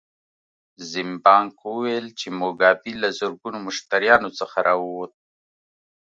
زیمبانک وویل چې موګابي له زرګونو مشتریانو څخه راووت.